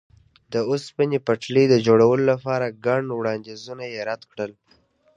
د اوسپنې پټلۍ د جوړولو لپاره ګڼ وړاندیزونه یې رد کړل.